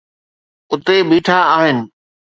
اٿي بيٺا آهن.